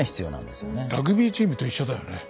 ラグビーチームと一緒だよね。